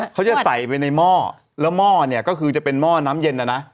เขาจะใส่ไปในหม้อแล้วหม้อเนี่ยก็คือจะเป็นหม้อน้ำเย็นนะนะ